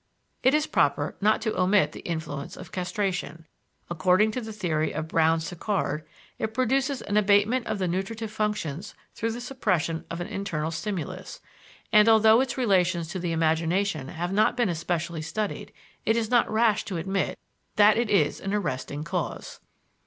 It is proper not to omit the influence of castration. According to the theory of Brown Séquard, it produces an abatement of the nutritive functions through the suppression of an internal stimulus; and, although its relations to the imagination have not been especially studied, it is not rash to admit that it is an arresting cause.